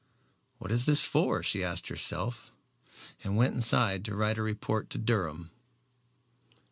"What is this for?" she asked herself, and went inside to write a report to Durham.